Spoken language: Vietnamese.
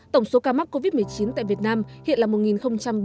tổng số ca mắc covid một mươi chín tại việt nam hiện là một bốn mươi chín ca